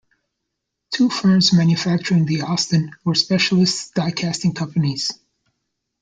The two firms manufacturing the Austen were specialist diecasting companies.